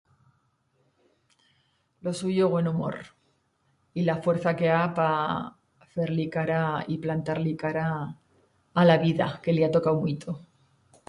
Lo suyo buen humor y la fuerza que ha pa fer-li cara y plantar-li cara a la vida, que li ha tocau muito.